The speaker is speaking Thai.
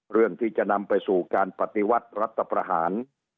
เรื่องที่จะนำไปสู่การปฏิวัติรัฐประหาร